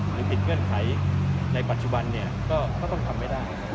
หรือผิดเงื่อนไขในปัจจุบันก็ต้องทำให้ได้